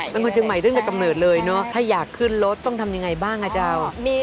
ทุกวันแล้วมันต้องมาขึ้นที่ไหนนะเจ้า